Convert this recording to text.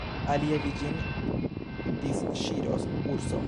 Alie vi ĝin disŝiros, urso!